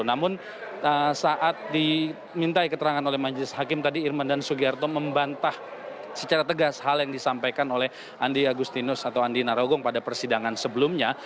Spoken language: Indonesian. namun saat dimintai keterangan oleh majelis hakim tadi irman dan sugiharto membantah secara tegas hal yang disampaikan oleh andi agustinus atau andi narogong pada persidangan sebelumnya